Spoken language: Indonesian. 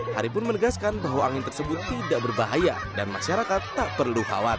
hari pun menegaskan bahwa angin tersebut tidak berbahaya dan masyarakat tak perlu khawatir